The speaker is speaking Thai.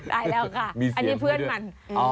ได้แล้วค่ะอันนี้เพื่อนมัน